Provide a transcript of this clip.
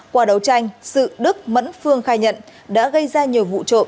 qua đấu tranh sự đức mẫn phương khai nhận đã gây ra nhiều vụ trộm